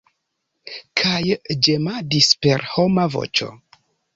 Kaj ĝemadis per homa voĉo.